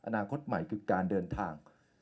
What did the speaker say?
อนาคตใหม่คือการเดินทาง